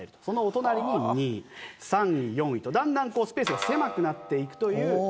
そのお隣に２位３位４位とだんだんスペースが狭くなっていくという。